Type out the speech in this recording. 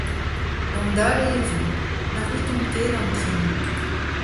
Gant dale e vimp ! Na c'hwitomp ket an tren !